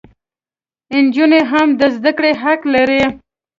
انجونې هم د زدکړي حق لري